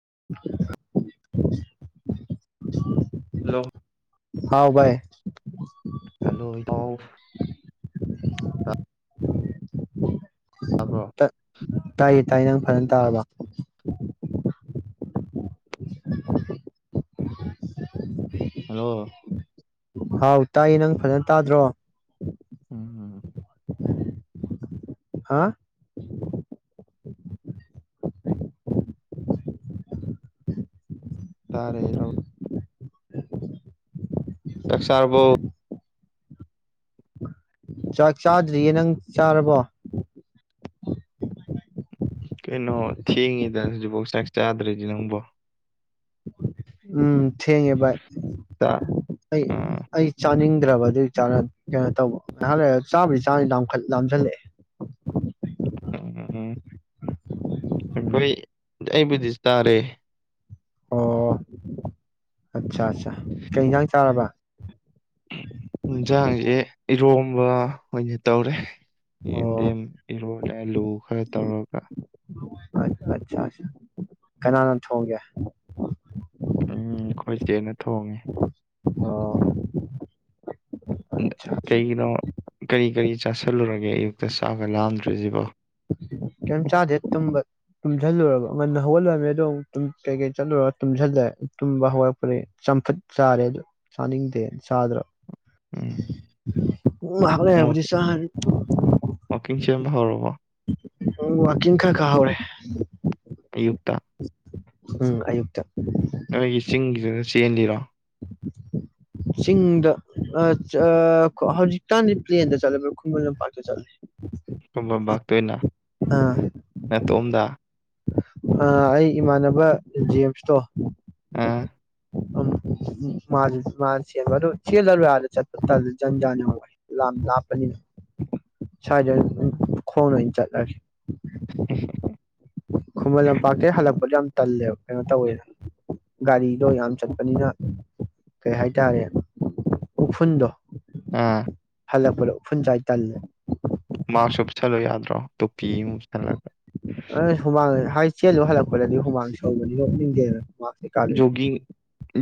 [inaudible] hello ꯍꯥꯎ ꯚꯥꯏ hello ꯏꯇꯥꯎ ꯇꯕꯔꯣ ꯑꯩꯒꯤ ꯇꯥꯏ ꯅꯪ ꯐꯖꯅ ꯇꯥꯔꯕ ꯍꯜꯂꯣ ꯍꯥꯎ ꯇꯥꯏꯌꯦ ꯅꯪ ꯐꯖꯅ ꯇꯥꯗ꯭ꯔꯣ ꯎꯝ ꯍꯥꯥ ꯇꯥꯔꯦ ꯍꯧꯏ ꯆꯥꯛ ꯆꯥꯔꯕꯣ ꯆꯥꯛ ꯆꯥꯗ꯭ꯔꯤꯌꯦ ꯅꯪ ꯆꯥꯔꯕꯣ ꯀꯩꯅꯣ ꯊꯦꯡꯉꯤꯗ ꯍꯧꯖꯤꯛ ꯐꯥꯎꯕ ꯆꯥꯛ ꯆꯥꯗ꯭ꯔꯗꯤ ꯅꯪꯕꯣ ꯎꯝ ꯊꯦꯡꯉꯦ ꯚꯥꯏ ꯆꯥꯛ ꯑꯩ ꯑꯥ ꯑꯩ ꯆꯥꯅꯤꯡ ꯗ꯭ꯔꯕ ꯑꯗꯨꯏ ꯆ ꯀꯩꯅꯣ ꯇꯧꯕ ꯉꯩꯍꯥꯛ ꯂꯩꯔ ꯆꯥꯔꯅꯤ ꯂꯥꯝꯈꯠ ꯂꯥꯝꯁꯤꯜꯂꯛꯑꯦ ꯎꯝ ꯎꯝ ꯎꯝ ꯎꯝ ꯑꯩꯈꯣꯏ ꯑꯩꯕꯨꯗꯤ ꯆꯥꯔꯦ ꯑꯣ ꯑꯠꯆꯥ ꯑꯠ ꯀꯩ ꯏꯟꯁꯥꯡ ꯆꯥꯔꯕ ꯌꯦꯟꯁꯥꯡꯁꯦ ꯏꯔꯣꯝꯕ ꯑꯣꯏꯅ ꯇꯧꯔꯦ ꯑꯣ ꯌꯦꯟꯗꯦꯝ ꯏꯔꯣꯜꯂꯦ ꯑꯂꯨ ꯈꯔ ꯇꯧꯔꯒ ꯑꯆꯥ ꯑ ꯀꯅꯥꯅ ꯊꯣꯡꯒꯦ ꯎꯝ ꯈꯈꯣꯏ ꯆꯦꯅ ꯊꯣꯡꯉꯦ ꯑꯣ ꯑꯠꯆꯥ ꯑꯠꯆꯥ ꯀꯩꯒꯤꯅꯣ ꯀꯔꯤ ꯀꯔꯤ ꯆꯥꯁꯤꯜꯂꯨꯔꯒꯦ ꯑꯌꯨꯛꯇ ꯆꯥꯛꯒ ꯂꯥꯝꯗ꯭ꯔꯤꯁꯤꯕꯣ ꯀꯩꯝ ꯆꯥꯗꯦꯕ ꯇꯨꯝꯁꯤꯜꯂꯔꯕ ꯉꯟꯅ ꯍꯧꯒꯠꯂꯨꯔꯃꯦ ꯑꯗꯣ ꯀꯩꯀꯩ ꯆꯠꯂꯨꯔꯒ ꯇꯨꯝꯁꯤꯜꯂꯦ ꯇꯨꯝꯕ ꯍꯧꯔꯛꯄꯗꯤ ꯆꯝꯐꯨꯠ ꯆꯥꯔꯦ ꯑꯗꯨ ꯆꯥꯅꯤꯡꯗꯦ ꯆꯥꯗ꯭ꯔꯕ ꯎꯝ ꯎꯝ ꯉꯥꯏꯍꯥꯛ ꯂꯩꯔꯕꯨꯗꯤ ꯆꯥꯔꯅꯤ ꯋꯥꯛꯀꯤꯡ ꯆꯦꯟꯕ ꯍꯧꯔꯕꯣ ꯋꯥꯀꯤꯡ ꯈꯥ ꯈꯥ ꯍꯧꯔꯦ ꯑꯌꯨꯛꯇ ꯎꯝ ꯑꯌꯨꯛꯇ ꯅꯣꯏꯒꯤ ꯆꯤꯡꯗꯨꯗ ꯆꯦꯜꯂꯤꯔꯣ ꯆꯤꯡꯗ ꯑꯥ ꯍꯧꯖꯤꯛꯀꯥꯟꯗꯤ ꯄ꯭ꯂꯦꯟꯗ ꯆꯠꯂꯦꯕꯅꯦ ꯈꯨꯨꯡꯒꯟ ꯂꯝꯄꯥꯛꯇ ꯆꯠꯂꯦ ꯇꯨꯃꯥ ꯃꯥ ꯄꯦꯟꯅ ꯑꯥ ꯑꯥ ꯑꯩ ꯏꯃꯥꯟꯅꯕ ꯖꯦꯝꯁꯇꯣ ꯑꯥ ꯑ ꯎꯝ ꯃꯥꯁꯨ ꯃꯥꯅ ꯆꯦꯟꯕꯗꯣ ꯆꯦꯜꯂꯔꯣꯏ ꯑꯗꯥ ꯆꯠꯄ ꯇꯥꯂꯦ ꯖꯟꯖꯥꯟ ꯌꯝ ꯑꯣꯢ ꯂꯝ ꯂꯥꯞꯄꯅꯤꯅ ꯁꯋꯥꯏꯗ ꯑꯗꯨꯝ ꯈꯣꯢꯅ ꯑꯣꯢ ꯆꯠ [unintelligible] ꯍꯦꯍꯦ ꯈꯨꯃꯟ ꯂꯝꯄꯥꯛꯇꯒꯤ ꯍꯜꯂꯛꯄꯗꯣ ꯌꯥꯝ ꯇꯜꯂꯦꯕ ꯀꯩꯅꯣ ꯇꯧꯋꯦꯅ ꯒꯥꯔꯤꯗꯣ ꯌꯥꯝ ꯆꯠꯄꯅꯤꯅ ꯀꯩ ꯍꯥꯏꯇꯥꯔꯦ ꯎꯐꯨꯟꯗꯣ ꯑꯥ ꯍꯜꯂꯛꯄꯗ ꯎꯐꯨꯟ ꯆꯥꯏ ꯇꯜꯂꯦ ꯃꯥꯁꯛ ꯑꯨꯞꯁꯜꯂꯨ ꯌꯥꯗ꯭ꯔꯣ ꯇꯣꯞꯄꯤ ꯑꯃꯨꯛ ꯁꯥꯂꯒ ꯑꯥ ꯍꯨꯃꯥꯡ ꯍꯥꯏ ꯆꯦꯜꯂꯨ ꯍꯜꯂꯛꯄꯗꯗꯤ ꯍꯨꯃꯥꯡ ꯁꯧꯕꯅꯤꯅ ꯑꯨꯞꯅꯤꯡꯗꯦꯕ ꯖꯣꯒꯤꯡ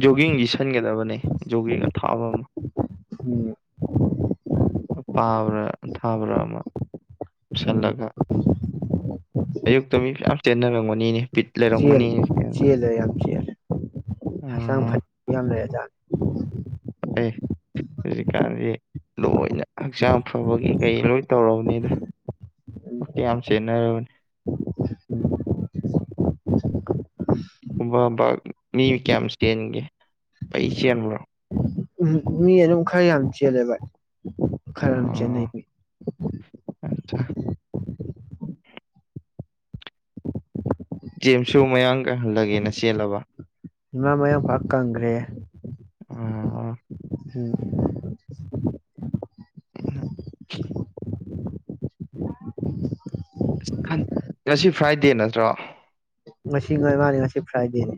ꯖꯣꯒꯤꯡꯒꯤ ꯂꯤꯁꯟꯒꯗꯕꯅꯦ ꯖꯣꯒꯤꯡ ꯑꯊꯥꯕ ꯑꯃ ꯎꯝ ꯑꯄꯥꯕ꯭ꯔꯥ ꯑꯊꯥꯕ꯭ꯔꯥ ꯑꯃ ꯎꯝ ꯑꯨꯞꯁꯜꯂꯒ ꯑꯌꯨꯛꯇ ꯃꯤ ꯐꯌꯝ ꯆꯦꯟꯅꯔꯝꯒꯅꯤꯅꯦ ꯕꯤꯠ ꯆꯦꯜ ꯂꯩꯔꯝꯒꯅꯤꯅꯦ ꯆꯦꯟꯕꯗ ꯆꯦꯜꯂꯦ ꯌꯥꯝ ꯆꯦꯜꯂꯦ ꯍꯛꯆꯥꯡ ꯑꯥ ꯐꯅꯤꯡ ꯌꯥꯝ ꯂꯩꯔꯥꯖꯅꯦ ꯑꯦ ꯍꯧꯖꯤꯛꯀꯥꯟꯗꯤ ꯂꯣꯏꯅ ꯍꯛꯆꯥꯡ ꯐꯕꯒꯤ ꯀꯩ ꯂꯣꯏ ꯇꯧꯔꯕꯅꯤꯗ ꯌꯥꯝ ꯆꯦꯟꯅꯔꯕꯅꯦ ꯕꯥꯕꯥ ꯃꯤ ꯀꯌꯥꯝ ꯆꯦꯟꯒꯦ ꯑꯩ ꯆꯦꯟꯕ꯭ꯔꯣ ꯎꯝ ꯃꯤ ꯑꯗꯨꯝ ꯈꯔꯥ ꯌꯥꯝ ꯆꯦꯟꯂꯦ ꯚꯥꯏ ꯈꯔ ꯑꯃ ꯆꯦꯟꯅꯩ ꯃꯤ ꯁꯥ ꯖꯦꯝꯁꯨ ꯃꯌꯥꯡ ꯀꯪꯍꯜꯂꯒꯦꯅ ꯆꯦꯜꯂꯕ ꯃꯥ ꯃꯌꯥꯡ ꯏꯝꯐꯥꯜ ꯀꯪꯒ꯭ꯔꯦ ꯑꯣ ꯑꯣ ꯎꯝ [unintelligible] ꯁꯟ ꯑꯁꯤ ꯐ꯭ꯔꯥꯏꯗꯦ ꯅꯠꯇ꯭ꯔꯣ ꯉꯁꯤ ꯉꯥꯏ ꯃꯥꯅꯤ ꯉꯁꯤ ꯐ꯭ꯔꯥꯏꯗꯦꯅꯦ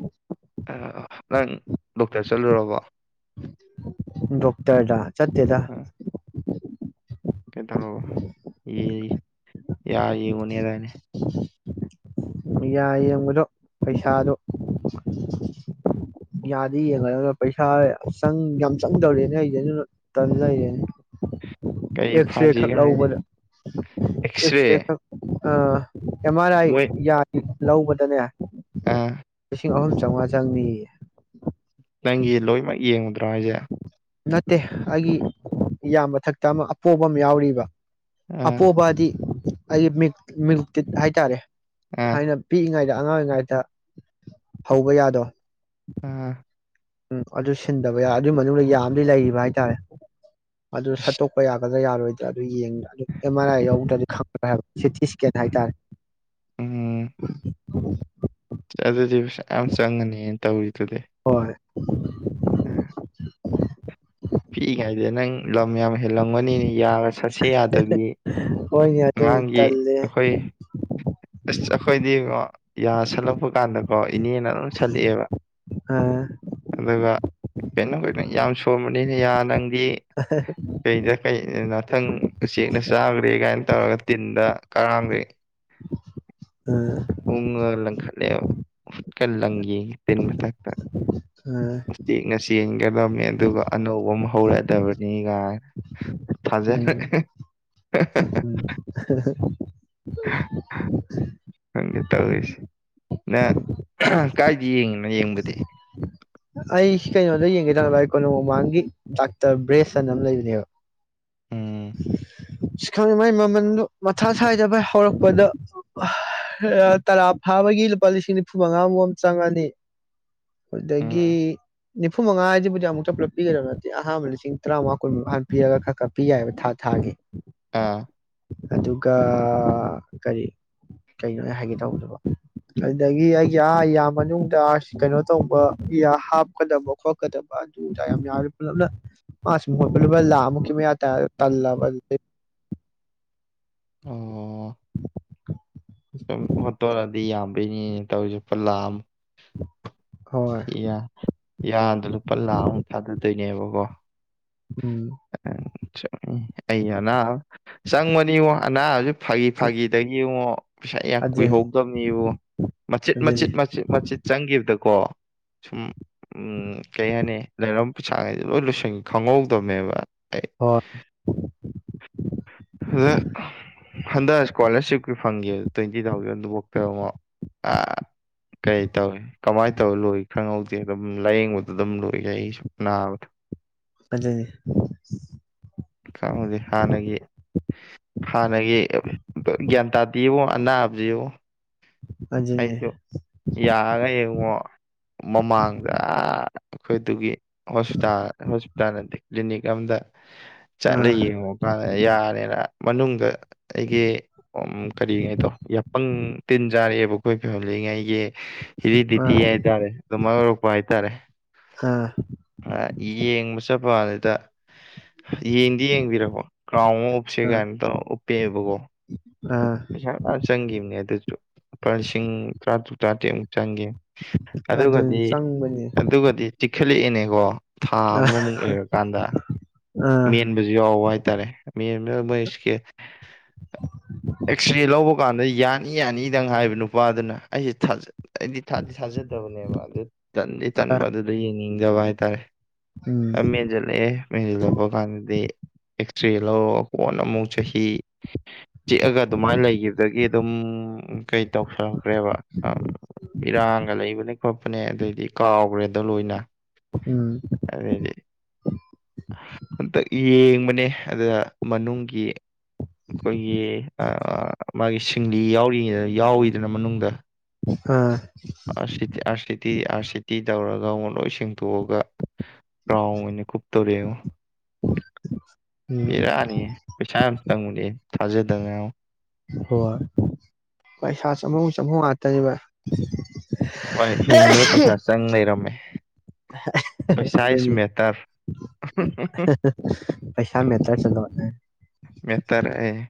ꯑꯥ ꯅꯪ ꯗꯣꯛꯇꯔ ꯆꯠꯂꯨꯔꯕꯣ ꯗꯣꯛꯇ꯭ꯔꯗ ꯆꯠꯇꯦꯗ ꯀꯩꯗꯧꯔꯕ ꯌꯦ ꯢ ꯌꯥ ꯌꯦꯡꯉꯨꯅꯤ ꯍꯥꯢꯗꯥꯢ ꯅꯦ ꯌꯥ ꯌꯦꯡꯕꯗꯣ ꯄꯩꯁꯥꯗꯣ ꯌꯥꯗꯤ ꯌꯦꯡꯉꯥꯒ ꯄꯩꯁꯥ ꯌꯥꯝ ꯆꯪꯗꯧꯔꯦꯅꯦ ꯑꯩꯁ ꯑꯗꯨ ꯇꯟ ꯂꯩꯔꯦꯅꯦ ꯀꯔꯤ ꯑꯦꯁ ꯔꯦ ꯐꯥꯖꯤꯒ ꯍꯥꯏ ꯈꯛꯂꯎꯕꯗ ꯑꯦꯁ ꯔꯦ ꯑꯦꯛꯁꯔꯦ ꯈꯛ ꯑꯥ ꯑꯦꯝ ꯑꯔ ꯑꯥꯏ ꯃꯣꯏ ꯌꯥ ꯂꯧꯕꯗꯅꯦ ꯑꯥ ꯂꯤꯁꯤꯡ ꯑꯍꯨꯝ ꯆꯧꯉꯥ ꯆꯪꯅꯤꯌꯦ ꯅꯪꯒꯤ ꯂꯣꯏꯃꯛ ꯌꯦꯡ ꯄꯥꯏꯖꯦ ꯅꯠꯇꯦ ꯑꯩꯒꯤ ꯏꯌꯥꯃꯊꯛꯇ ꯑꯃ ꯑꯄꯣꯕ ꯑꯃ ꯌꯥꯎꯔꯤꯕ ꯑꯥ ꯑꯄꯣꯕꯗꯤ ꯑꯩ ꯃꯤꯠ ꯃꯤꯜꯀꯤꯠ ꯍꯥꯏꯇꯥꯔꯦ ꯑꯥ ꯊꯥꯏꯅ ꯄꯤꯛꯏꯉꯥꯏꯗ ꯑꯉꯥꯡ ꯑꯣꯏꯔꯤꯉꯥꯏꯗ ꯍꯧꯕ ꯌꯥꯗꯣ ꯑꯥ ꯎꯝ ꯑꯗꯨ ꯁꯤꯟꯗꯕ ꯌꯥꯏ ꯑꯗꯨꯏ ꯃꯅꯨꯡꯗ ꯌꯥꯑꯃꯗꯤ ꯂꯩꯔꯤꯕ ꯍꯥꯏꯇꯥꯔꯦ ꯑꯗꯨ ꯑꯁ ꯁꯠꯇꯣꯛꯄ ꯌꯥꯕ ꯌꯥꯔꯣꯏꯗ ꯑꯗꯨ ꯌꯦꯡꯉ ꯑꯦꯝ ꯑꯥꯔ ꯑꯥꯏ ꯌꯥꯎꯗ꯭ꯔꯗꯤ ꯈꯪꯉꯔꯣꯏ ꯍꯥꯏꯕ ꯁꯤ ꯊꯤꯁꯀꯦꯗꯥ ꯍꯥꯏ ꯎꯝ ꯇꯥꯔꯦ [inaudible] ꯎꯝ, ꯑꯗꯨꯗꯤ ꯄꯩꯁꯥ ꯃꯌꯥꯝ ꯆꯪꯉꯅꯤ ꯌꯦ ꯇꯧꯔꯤꯗꯨꯗꯤ ꯍꯣꯏ ꯄꯤꯛꯏꯉꯥꯏꯗ ꯅꯪ ꯂꯝ ꯌꯥꯝ ꯍꯦꯜꯂꯝꯒꯅꯤꯅꯤ ꯌꯥꯒ ꯁꯠꯁꯦ ꯌꯥ ꯑꯗꯨꯗꯤ ꯍꯣꯏꯅꯦ ꯑꯗꯨꯏ ꯑꯉꯥꯡꯒꯤ ꯇꯜꯂꯦ ꯑꯩꯈꯣꯏ ꯑꯁ ꯑꯩꯈꯣꯏꯗꯤꯉꯣ ꯌꯥ ꯁꯜꯂꯛꯄ ꯀꯥꯟꯗꯀꯣ ꯏꯅꯦꯅ ꯑꯗꯨꯝ ꯁꯜꯂꯛꯑꯦꯕ ꯑꯥ ꯑꯗꯨꯒ ꯀꯩꯅꯣ ꯀꯩꯅꯣ ꯌꯥꯝ ꯁꯣꯟꯕꯅꯤ ꯃꯦꯅꯦ ꯌꯥ ꯅꯪ ꯕꯤ ꯀꯩꯗ ꯀꯩ ꯅꯇꯪ ꯎꯆꯦꯛꯅꯆꯥꯒ꯭ꯔꯦ ꯒꯥꯏꯅ ꯇꯧꯔꯒ ꯇꯤꯟꯗ ꯀꯔꯥꯝꯒꯦ ꯑꯥ ꯎꯪꯉꯒ ꯂꯪꯈꯠꯂꯦꯕ ꯍꯨꯠꯀ ꯂꯪꯒꯦꯌꯦ ꯇꯤꯟ ꯃꯊꯛꯇ ꯑꯥ ꯉꯁꯤ ꯉꯁꯤ ꯀꯦꯕꯜꯃꯦꯟꯗꯨꯒ ꯑꯅꯧꯕ ꯑꯃ ꯍꯧꯔꯛꯑꯗꯕꯅꯤꯒꯥꯏꯅ ꯊꯥꯖꯔꯦ ꯍꯥ ꯍꯥ [unintelligible] ꯈꯪꯗꯦ ꯇꯧꯔꯤꯁꯦ ꯅ ꯀꯥꯏꯗ ꯌꯦꯡꯉꯤꯅꯣ ꯌꯦꯡꯕꯗꯤ ꯑꯩꯁꯤ ꯀꯩꯅꯣꯗ ꯌꯦꯡꯒꯦꯇꯧꯕ ꯑꯩ ꯀꯣꯅꯨꯡ ꯃꯃꯥꯡꯒꯤ ꯗꯥꯛꯇꯔ ꯕ꯭ꯔꯦꯁꯟꯅ ꯑꯃ ꯂꯩꯕꯅꯦꯕ ꯎꯝ ꯈꯪ ꯗꯦ ꯃꯥꯏ ꯃꯃꯟꯗꯣ ꯃꯊꯥ ꯁꯥꯏꯗ ꯚꯥꯏ ꯍꯧꯔꯛꯄꯗ ꯇꯔꯥ ꯐꯥꯕꯒꯤ ꯂꯨꯄꯥ ꯂꯤꯁꯤꯡ ꯅꯤꯐꯨ ꯃꯉꯥꯃꯨꯝ ꯆꯪꯉꯅꯤ ꯑꯗꯨꯗꯒꯤ ꯎꯝ ꯅꯤꯐꯨꯉꯥꯁꯤꯕꯨꯗꯤꯨꯛꯇ ꯄꯨꯂꯞ ꯄꯤꯒꯗꯕ ꯅꯠꯇꯦ ꯑꯍꯥꯟꯕ ꯂꯤꯁꯤꯡ ꯇꯔꯥꯃꯉꯥ ꯀꯨꯟꯃꯨꯛ ꯄꯤꯔꯒ ꯈꯔ ꯈꯔ ꯄꯤ ꯌꯥꯏ ꯍꯥꯏꯕ ꯊꯥ ꯊꯥꯒꯤ ꯑꯥ ꯑꯗꯨꯒ ꯀꯔꯤ ꯀꯩꯅꯣ ꯍꯥꯏꯒꯦ ꯇꯧꯕꯗꯕ ꯑꯗꯨꯗꯒꯤ ꯑꯩꯒꯤ ꯑꯥ ꯌꯥ ꯃꯅꯨꯡꯗ ꯀꯩꯅꯣ ꯇꯧꯕ ꯏ ꯍꯥꯞꯀꯗꯕ ꯈꯣꯠꯀꯗꯕ ꯑꯗꯨꯗ ꯌꯥꯝ ꯌꯥꯔ ꯄꯨꯜꯂꯞꯅ ꯃꯥꯁꯤ ꯃꯣꯏ ꯄꯨꯂꯞ ꯂꯥꯃꯨꯛꯀꯤ ꯃꯌꯥ ꯇꯥ ꯇꯜꯂꯕ ꯑꯗꯨꯗꯩ ꯑꯣ [inaudible] ꯗꯨꯅꯤ ꯇꯧꯁꯨ ꯂꯨꯄꯥ ꯂꯥꯛ ꯑꯃ ꯍꯣꯏ ꯁꯤ ꯌꯥ ꯌꯥꯗ ꯂꯨꯄꯥ ꯂꯥꯛꯃꯨꯛ ꯊꯥꯗꯗꯣꯏꯅꯦꯕ ꯀꯣ ꯎꯝ ꯑꯩ ꯑꯅꯕ ꯆꯪꯕꯅꯤꯉꯣ ꯑꯅꯥꯕ ꯐꯥꯒꯤ ꯐꯥꯒꯤꯗ ꯏꯉꯣ ꯄꯩꯁ ꯌꯥꯝ ꯑꯗꯨꯅꯤ ꯀꯨꯏꯍꯧꯗꯕꯅꯤꯕ ꯃꯆꯤꯠ ꯑꯗꯨꯅꯤ ꯃꯆꯤꯠ ꯃꯆꯤꯠ ꯃꯆꯤꯠ ꯆꯪꯈꯤꯕꯗ ꯀꯣ ꯁꯨꯝ ꯎꯝ ꯀꯩ ꯍꯥꯏꯅꯤ ꯂꯩꯔꯝ ꯄꯩꯁꯥꯈꯩꯁꯦ ꯂꯣꯏ ꯂꯣꯏꯁꯟ ꯈꯪꯍꯧꯗꯕꯅꯦꯕ ꯑꯩ ꯍꯣꯏ ꯍꯗ ꯍꯟꯗꯛ ꯏꯁꯀꯣꯂꯥꯔꯁꯤꯞꯀꯤꯨ ꯐꯪꯒꯤꯕ ꯇ꯭ꯋꯦꯟꯇꯤ ꯊꯥꯎꯖꯟꯗꯨꯕꯛꯇꯉꯣ ꯑ ꯀꯩ ꯇꯧꯅꯤ ꯀꯃꯥꯏ ꯇꯧ ꯂꯣꯏ ꯈꯪꯍꯧꯗꯦ ꯑꯗꯨꯝ ꯂꯥꯏꯌꯦꯡꯕꯗ ꯑꯗꯨꯝ ꯂꯣꯏ ꯂꯩ ꯑꯩ ꯁꯨꯝ ꯅꯥꯕꯗꯣ ꯑꯗꯨꯅꯤ ꯈꯪꯗꯦ ꯍꯥꯟꯅꯒꯤ ꯍꯥꯟꯅꯒꯤ ꯒ꯭ꯌꯥꯟ ꯇꯥꯗꯦꯉꯣ ꯑꯅꯥꯕꯁꯤꯉꯣ ꯑꯗꯨꯅꯤ ꯑꯩꯁꯨ ꯌꯥꯒ ꯌꯦꯡꯉꯣ ꯃꯃꯥꯡꯗ ꯑꯩꯈꯣꯏꯗꯨꯒꯤ ꯍꯣꯁꯄꯤꯇꯥꯜ ꯍꯣꯁꯄꯤꯇꯥꯜꯗꯤ ꯀ꯭ꯂꯤꯅꯤꯛ ꯌꯥꯝꯗ ꯆꯠꯂ ꯑꯥ ꯌꯦꯡꯉꯨ ꯀꯥꯟꯗ ꯌꯥꯔꯦꯅ ꯃꯅꯨꯡꯗ ꯑꯩꯒꯤ ꯀꯔꯤꯉꯩꯗꯣ ꯌꯥꯄꯪ ꯇꯤꯟ ꯆꯥꯔꯛꯑꯦꯕ ꯑꯩꯈꯣꯏ ꯐꯦꯃꯤꯂꯤꯉꯩꯒꯤ ꯑꯥ ꯍꯤꯔꯤꯗꯤꯇꯤ ꯍꯥꯏꯇꯥꯔꯦ ꯑꯗꯨ ꯃꯔꯛꯄ ꯍꯥꯏꯇꯥꯔꯦ ꯍꯥ ꯗ ꯌꯦꯡꯗꯤ ꯌꯦꯡꯕꯤꯔꯕꯣ ꯈꯥꯎꯟ ꯑꯃ ꯑꯨꯞꯁꯦ ꯑꯥ ꯇꯧ ꯎꯞꯄꯦꯕꯀꯣ ꯑꯥ ꯄꯩꯁꯥ ꯆꯪꯈꯤꯕꯅꯦ ꯑꯗꯨꯁꯨ ꯂꯨꯄꯥ ꯂꯤꯁꯤꯡ ꯇꯔꯥꯇꯔꯨꯛ ꯇ꯭ꯔꯥꯇꯦꯠ ꯃꯨꯛ ꯆꯪꯒꯤꯅꯦ ꯑꯗꯨꯅꯤ ꯑꯗꯨꯒꯗꯤ ꯆꯪꯕꯅꯤ ꯑꯗꯨꯒꯗꯤ ꯈꯦꯂꯛ ꯑꯦꯅꯦꯀꯣ ꯊꯥ ꯑꯥ ꯑꯃꯃꯨꯛ ꯂꯩꯔꯀꯥꯟꯗ ꯑꯥ ꯃꯦꯟꯕꯁꯨ ꯌꯥꯎꯕ ꯍꯥꯏꯇꯥꯔꯦ ꯃꯣꯏ ꯏꯁ ꯑꯦꯛꯁꯔꯦ ꯂꯧꯕ ꯀꯥꯟꯗ ꯌꯥꯅꯤ ꯌꯥꯅꯤꯗꯪ ꯍꯥꯏꯕ ꯅꯨꯄꯥꯗꯨꯅ ꯑꯩꯁꯦ ꯊꯥꯖ ꯑꯩꯗꯤ ꯊꯥꯗꯤ ꯊꯥꯖꯗꯕꯅꯦꯕ ꯑꯗꯨ ꯇꯟꯗꯤ ꯇꯟꯕ ꯑꯥ ꯑꯗꯨꯗ ꯌꯦꯡ ꯎꯖꯕ ꯍꯥꯏꯇꯥꯔꯦ ꯎꯝ ꯄꯨꯔꯥ ꯃꯦꯟꯖꯟꯂꯛꯑꯦ ꯃꯦꯟꯖꯟꯂ ꯗꯤ ꯑꯦꯛꯁꯔꯦ ꯂꯧꯔꯣ ꯀꯣꯟꯅ ꯑꯃꯨꯛ ꯆꯍꯤ ꯆꯤꯛꯑꯒ ꯑꯗꯨꯃꯥꯏꯅ ꯂꯩꯈꯤꯕꯗꯒꯤ ꯑꯗꯨꯝ ꯀꯩ ꯇꯧꯁꯈ꯭ꯔꯦꯕ ꯏꯔꯥꯡꯒ ꯂꯩꯕꯅꯦ ꯈꯣꯠꯄꯅꯦ ꯑꯗꯨꯗꯏꯗꯤ ꯀꯥꯎꯈ꯭ꯔꯦꯗ ꯂꯣꯏꯅ ꯎꯝ ꯑꯗꯩꯗꯤ ꯌꯦꯡꯕꯅꯦ ꯑꯗꯨꯗ ꯃꯅꯨꯡꯒꯤ ꯢ ꯑꯩꯈꯣꯏꯒꯤ ꯑꯥ ꯃꯥꯒꯤ ꯁꯤ ꯆꯤꯡꯂꯤ ꯌꯥꯎꯔꯤꯗ ꯌꯥꯎꯋꯤꯗꯅ ꯃꯅꯨꯡꯗ ꯑꯥ ꯑꯁꯤꯇꯤ ꯑꯁꯤꯇꯤ ꯑꯁꯤꯇꯤ ꯇꯧꯔ ꯉꯃꯣ ꯂꯣꯏꯁꯤꯡ ꯍꯨꯟꯗꯣꯛꯑꯒ ꯔ꯭ꯔꯥꯎꯟ ꯑꯣꯏꯅ ꯀꯨꯞ ꯇꯧꯔꯦꯉꯣ ꯎꯝ ꯕꯤꯔꯥꯅꯤ ꯄꯩꯁꯥ ꯌꯥꯝ ꯆꯪꯕꯅꯤ ꯊꯥꯖꯦꯗꯉꯥꯡꯑꯣ ꯍꯣꯏ ꯄꯩꯁꯥ ꯆꯪꯕꯝ ꯒꯤ ꯆꯪꯕꯝ ꯉꯥꯇꯅꯦ ꯕꯥꯢ ꯃꯥꯅꯦ ꯍꯤꯡꯕꯗ ꯄꯩꯁꯥ ꯆꯪ ꯂꯩꯔꯝꯃꯦ ꯑꯍꯥ ꯍꯥ ꯄꯩꯁꯥ ꯏꯁ ꯑꯗꯨꯅꯦ ꯃꯦꯇꯔ ꯑꯍꯥ ꯍꯥꯍꯥ ꯄꯩꯁꯥ ꯃꯦꯊ꯭ꯔꯁ ꯑꯦꯂꯣꯠ ꯃꯦꯇꯔ ꯍꯥꯢꯌꯦ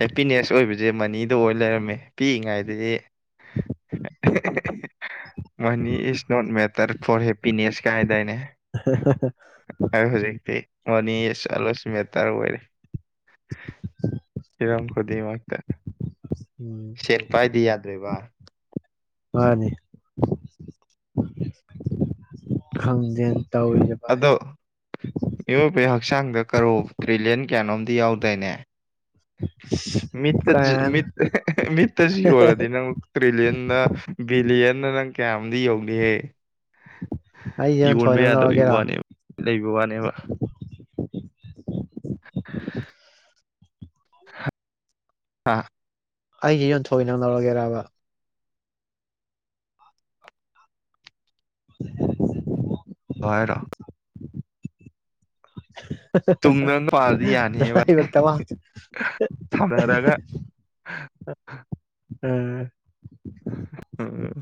ꯍꯦꯄꯤꯅꯦꯁ ꯑꯣꯏꯕꯁꯦ ꯖꯦ ꯃꯅꯤꯗ ꯑꯣꯏ ꯂꯩꯔꯝꯃꯦ ꯄꯤꯛꯏꯉꯩꯗꯗꯤ ꯍꯦ ꯍꯦ ꯍꯦ ꯃꯅꯤ is not matter for happiness ꯀꯥꯏꯍꯥꯢꯗꯥꯏꯅꯦ ꯑꯩ ꯎꯝ ꯍꯧꯖꯤꯛꯇꯤ ꯃꯦ ꯁꯔꯥ ꯁꯤꯃꯦꯇꯔ ꯑꯣꯏꯔꯦ ꯏꯔꯝ ꯈꯨꯗꯤꯃꯛꯇ ꯎꯝ ꯁꯦꯠꯄꯥꯏꯗꯤ ꯌꯥꯗ꯭ꯔꯦꯕ ꯃꯥꯅꯤ ꯈꯪꯖꯦꯟ ꯑꯗꯣ ꯃꯤꯑꯣꯏꯕ ꯍꯛꯆꯥꯡꯗ ꯀꯔꯣ ꯇ꯭ꯔꯤꯂꯤꯌꯟ ꯀꯌꯥꯅꯣꯝ ꯗꯤ ꯌꯥꯎꯗꯥ꯭ꯔꯏꯅꯦ ꯃꯤꯠꯇ ꯀꯥꯏ ꯃꯤ ꯑꯍꯦ ꯍꯦ ꯃꯤꯠꯇꯁꯨ ꯌꯣꯜꯂꯗꯤ ꯅꯪ ꯇ꯭ꯔꯤꯂꯤꯌꯟꯅ ꯕꯤꯂꯤꯌꯟꯅ ꯅꯪ ꯀꯌꯥꯝꯗꯤ ꯌꯧꯅꯤꯍꯦ ꯑꯩꯁꯦ ꯌꯣꯟꯊꯣꯏ ꯌꯣꯟꯕ ꯅꯪ ꯌꯥꯗꯕ ꯂꯧꯔꯒꯦꯔꯣ ꯋꯥꯅꯦꯕ ꯂꯩꯕ ꯋꯥꯅꯦꯕ [unintelligible] [inaudible] ꯑꯥ ꯑꯩꯁꯦ ꯌꯣꯟꯊꯣꯛꯑꯒꯦ ꯅꯪ ꯂꯧꯔꯒꯦꯔꯑꯕ [unintelligible] ꯥ [unintelligible] [unintelligible] ꯍꯥ ꯇꯨꯡꯗ ꯅꯨꯄꯥꯗꯤ ꯌꯥꯅꯤꯕ ꯍꯥ ꯁꯝꯅꯔꯒ ꯍꯥ ꯑꯥ ꯑꯥ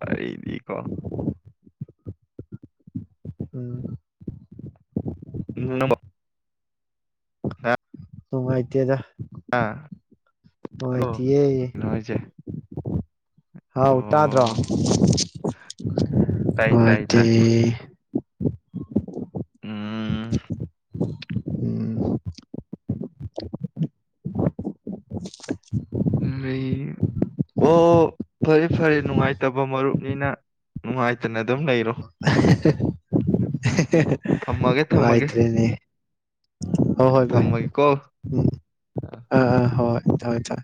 ꯋꯥꯔꯤꯗꯤ ꯀꯣ ꯎꯝ ꯎꯝ ꯍꯥ ꯅꯨꯉꯥꯏꯏꯇꯦꯗ ꯑ ꯍꯜꯂꯣ ꯀꯩꯅꯣ ꯍꯥꯏꯁꯦ ꯍꯥꯎ ꯇꯥꯗ꯭ꯔꯣ ꯑꯣ ꯇꯥꯏ ꯇꯥꯏ ꯅꯨꯉꯥꯏꯇꯦ ꯇꯥꯏ ꯎꯝ ꯎꯝ ꯎꯝ ꯂꯩꯌꯦ ꯑꯣ ꯐꯔꯦ ꯐꯔꯦ ꯅꯨꯡꯉꯥꯏꯇꯕ ꯃꯔꯨꯞꯅꯤꯅ ꯅꯨꯡꯉꯥꯏꯇꯅ ꯑꯗꯨꯝ ꯂꯩꯔꯣ ꯑ ꯍꯦꯍꯦ ꯍꯦ ꯊꯝꯃꯒꯦ ꯊꯝꯃꯒꯦ ꯂꯥꯏꯇ꯭ꯔꯦꯅꯦ ꯍꯣꯏ ꯍꯣꯏ ꯚꯥꯏ ꯊꯝꯃꯒꯦꯀꯣ ꯎꯝ ꯑ ꯑꯥ ꯑꯥ ꯍꯣꯏ ꯊꯣꯏ ꯊꯣꯏ